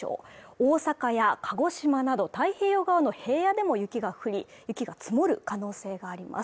大阪や鹿児島など太平洋側の平野でも雪が降り雪が積もる可能性があります